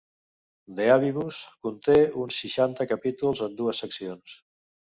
"De avibus" conté uns seixanta capítols en dues seccions.